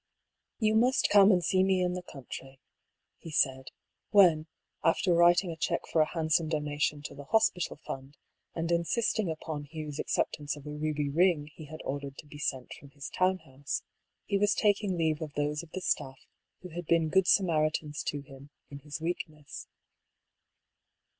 " You must come and see me in the country," he AN INITIAL LETTER. 17 said, when, after writing a check for a handsome dona tion to the hospital fund, and insisting upon Hugh's acceptance of a ruby ring he had ordered to be sent from his town house, he was taking leave of those of the staff who had been good Samaritans to him in his weak ness.